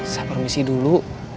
saya permisi dulu